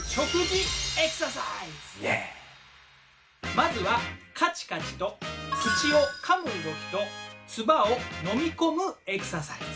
まずはカチカチと口をかむ動きと唾を飲みこむエクササイズ。